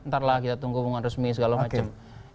ntar lah kita tunggu hubungan resmi segala macam